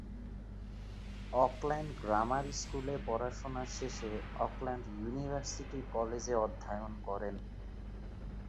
Auckland grammar স্কুলে পড়াশুনো শেষে অকল্যান্ড ইউনিভার্সিটি কলেজে অধ্যয়ন করেন।